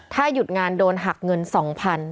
ถ้าหยุดงานโดนหักเงิน๒๐๐๐